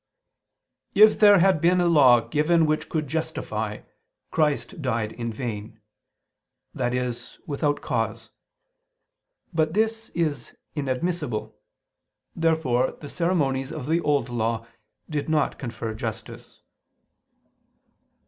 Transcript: ']: "If there had been a law given which could justify [Vulg.: 'give life'], Christ died in vain," i.e. without cause. But this is inadmissible. Therefore the ceremonies of the Old Law did not confer justice.